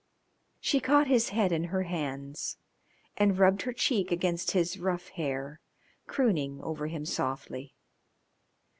She caught his head in her hands and rubbed her cheek against his rough hair, crooning over him softly.